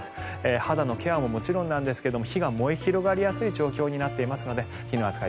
肌のケアももちろんですが火が燃え広がりやすい状況になっていますので火の扱い